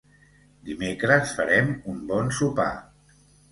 Dimecres farem un bon sopar.